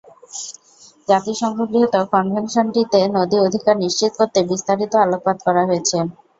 জাতিসংঘ গৃহীত কনভেনশনটিতে নদী অধিকার নিশ্চিত করতে বিস্তারিত আলোকপাত করা হয়েছে।